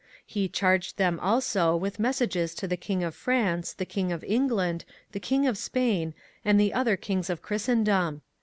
^ He charged them also with messages to the King of France, the King of England," the King of Spain, and the other kings of Christendom.